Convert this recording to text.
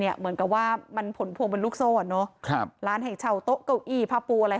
เหมือนกับว่ามันผลพวงเป็นลูกโซ่อ่ะเนอะครับร้านให้เช่าโต๊ะเก้าอี้ผ้าปูอะไร